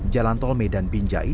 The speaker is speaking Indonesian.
jalan tol medan binjai